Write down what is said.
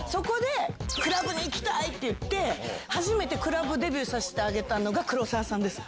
クラブに行きたい！って言って初めてクラブデビューさせてあげたのが黒沢さんです。